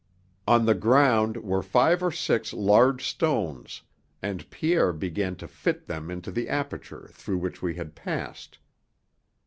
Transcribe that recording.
On the ground were five or six large stones, and Pierre began to fit them into the aperture through which we had passed.